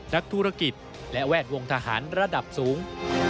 นักธุรกิจและแวดวงทหารระดับสูง